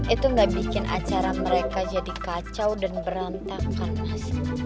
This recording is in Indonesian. itu gak bikin acara mereka jadi kacau dan berantakan mas